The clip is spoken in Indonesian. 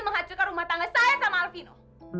menghancurkan rumah tangga saya sama alvino